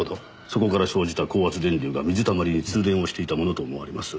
そこから生じた高圧電流が水たまりに通電をしていたものと思われます。